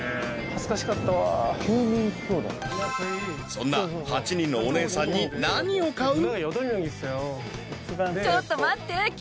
［そんな８人のお姉さんに何を買う？］